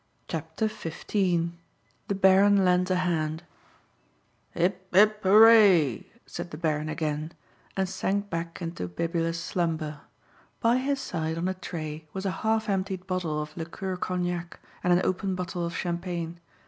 CHAPTER XV THE BARON LENDS A HAND "Hip, hip, 'ooray!" said the Baron again, and sank back into bibulous slumber. By his side on a tray was a half emptied bottle of liqueur cognac and an open bottle of champagne.